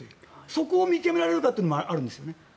そこを見極められるかというのがあるんです。